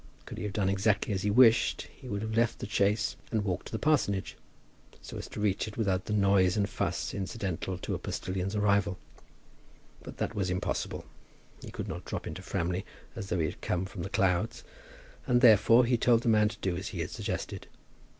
Could he have done exactly as he wished, he would have left the chaise and walked to the parsonage, so as to reach it without the noise and fuss incidental to a postilion's arrival. But that was impossible. He could not drop into Framley as though he had come from the clouds, and, therefore, he told the man to do as he had suggested.